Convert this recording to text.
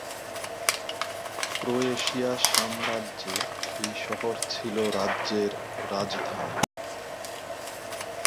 Croatia সাম্রাজ্য-এ এই শহর ছিল রাজ্যের রাজধানী।